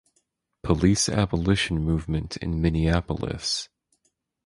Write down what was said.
Police abolition movement in Minneapolis